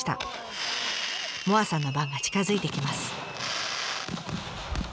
萌彩さんの番が近づいてきます。